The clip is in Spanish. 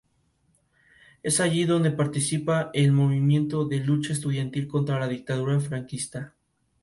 En la intersección con Av.